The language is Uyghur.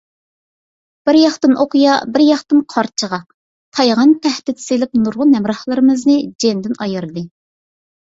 بىر ياقتىن ئوقيا، بىر ياقتىن قارچىغا، تايغان تەھدىت سېلىپ نۇرغۇن ھەمراھلىرىمىزنى جېنىدىن ئايرىدى.